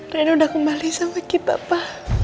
rena udah kembali sama kita pa